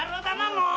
もう！